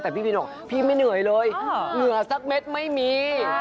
แต่พี่บินบอกพี่ไม่เหนื่อยเลยเหงื่อสักเม็ดไม่มี